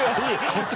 こっち